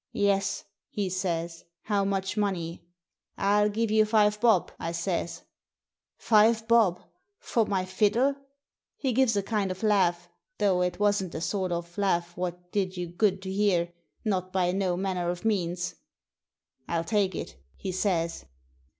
*Yes/ he says; 'how much money?' 'I'll give you five bob,' I says. ' Five bob !— for my fiddle !' He gives a kind of laugh, though it wasn't the sort of laugh what did you good to hear, not by no manner of means. ' I'll take it,' he says.